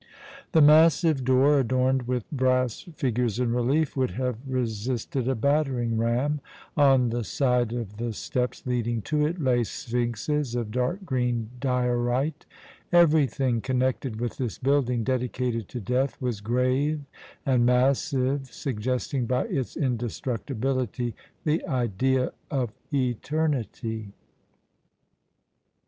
The massive door, adorned with brass figures in relief, would have resisted a battering ram. On the side of the steps leading to it lay Sphinxes of dark green diorite. Everything connected with this building, dedicated to death, was grave and massive, suggesting by its indestructibility the idea of eternity.